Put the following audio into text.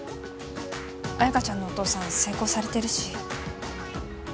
彩香ちゃんのお父さん成功されてるし。